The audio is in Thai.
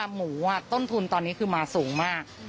หมูต้นทุนตอนนี้คือมาสูงมาก